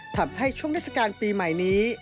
ทำให้ช่วงเทศกาลปีใหม่นี้